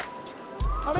あれ？